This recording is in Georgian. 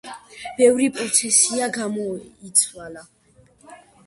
ბევრი პროფესია გამოიცვალა.